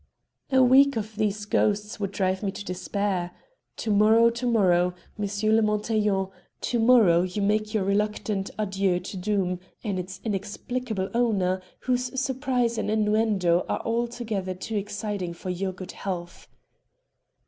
A week of these ghosts would drive me to despair. To morrow to morrow M. de Montaiglon to morrow you make your reluctant adieux to Doom and its inexplicable owner, whose surprise and innuendo are altogether too exciting for your good health."